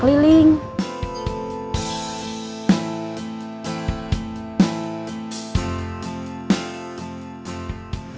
kalau yang tua pake gula